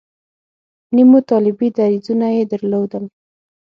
نیمو طالبي دریځونه یې درلودل.